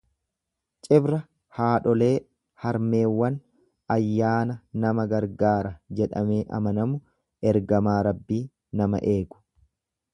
Cibra haadholee, harmeewwan. ayyaana nama gargaara jedhamee amanamu, ergamaa Rabbii nama eegu.